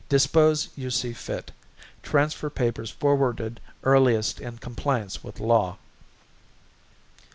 DISPOSE YOU SEE FIT. TRANSFER PAPERS FORWARDED EARLIEST IN COMPLIANCE WITH LAW.